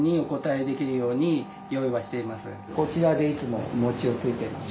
こちらでいつも餅をついてます。